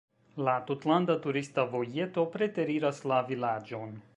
La tutlanda turista vojeto preteriras la vilaĝon.